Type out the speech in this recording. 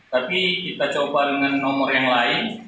tapi kita coba dengan nomor yang lain